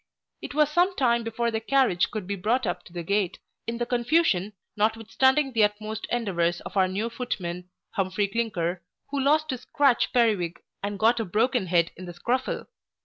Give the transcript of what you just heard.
It was some time before the carriage could be brought up to the gate, in the confusion, notwithstanding the utmost endeavours of our new footman, Humphry Clinker, who lost his scratch periwig, and got a broken head in the scuffle.